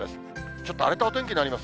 ちょっと荒れたお天気になります。